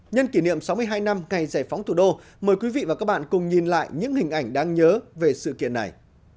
nhân kỷ niệm sáu mươi hai năm ngày giải phóng thủ đô mời quý vị và các bạn cùng nhìn lại những hình ảnh đáng nhớ về sự kiện này